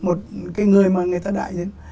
một cái người mà người ta đại diện